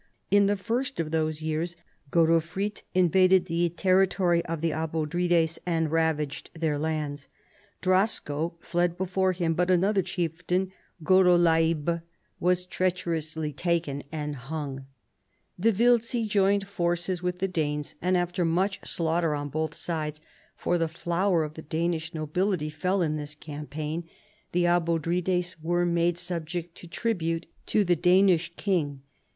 In the first of those years Godofrid invaded the territory of tlie Abodrites and ravaged their lands. Drasko fled before him, but another chieftain, Godelaib, 276 CHARLEMAGNE, was treacherously taken and hung. The Wiltzi joined forces with the Danes : and after much slaughter on both sides (for the flower of the Danish nobility fell in this campaign), the Abodrites were made subject to tribute to the Danish king.